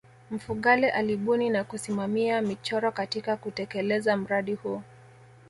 mfugale alibuni na kusimamia michoro katika kutelekeza mradi huu